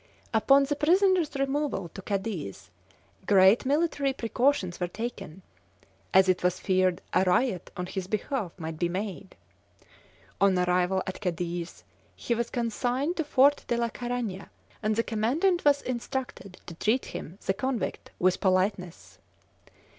Upon the prisoner's removal to Cadiz, great military precautions were taken, as it was feared a riot on his behalf might be made. On arrival at Cadiz, he was consigned to Fort de la Caragna, and the commandant was instructed to treat him, the convict, with politeness!